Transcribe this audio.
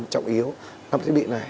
trọng yếu năm thiết bị này